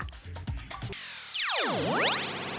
จริงตอบทอด